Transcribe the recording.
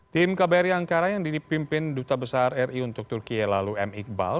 tim kbri angkara yang dipimpin duta besar ri untuk turki lalu m iqbal